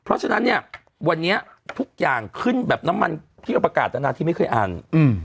เพราะฉะนั้นเนี่ยวันนี้ทุกอย่างขึ้นแบบน้ำมันพี่เอาประกาศนาที่ไม่เคยอ่าน